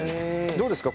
どうですか？